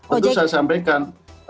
tentu saya sampaikan